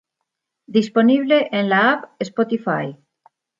Disponible en la app Spotify.